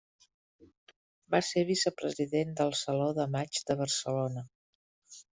Va ser Vicepresident del Saló de Maig de Barcelona.